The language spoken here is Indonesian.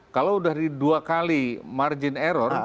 kalau sudah di dua kali margin error